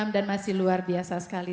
tujuh puluh enam dan masih luar biasa sekali